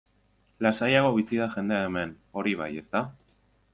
Lasaiago bizi da jendea hemen, hori bai, ezta?